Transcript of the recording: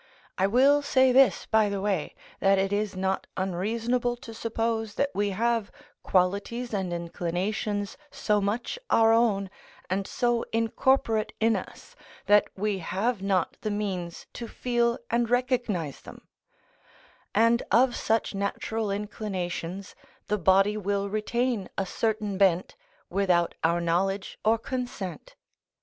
I will say this, by the way, that it is not unreasonable to suppose that we have qualities and inclinations so much our own, and so incorporate in us, that we have not the means to feel and recognise them: and of such natural inclinations the body will retain a certain bent, without our knowledge or consent.